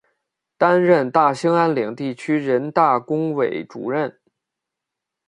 担任大兴安岭地区人大工委主任。